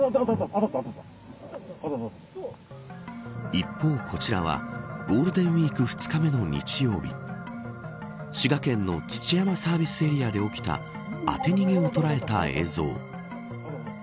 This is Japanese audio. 一方、こちらはゴールデンウイーク２日目の日曜日滋賀県の土山サービスエリアで起きた当て逃げを捉えた映像。